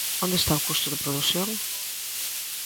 ¿Onde está o custo de produción?